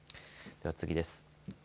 では次です。